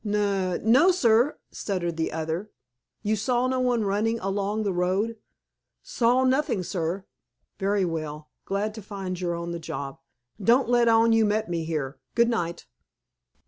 "Nun—No, sir," stuttered the other. "You saw no one running along the road?" "Saw nothing, sir." "Very well. Glad to find you're on the job. Don't let on you met me here. Good night!"